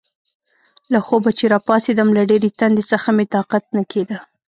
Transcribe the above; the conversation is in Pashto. له خوبه چې راپاڅېدم، له ډېرې تندې څخه مې طاقت نه کېده.